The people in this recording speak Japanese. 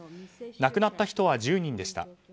亡くなった人は１０人でした。